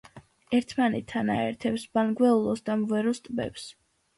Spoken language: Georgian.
ერთმანეთთან აერთებს ბანგვეულუს და მვერუს ტბებს.